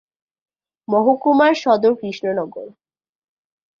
মহকুমার সদর কৃষ্ণনগর।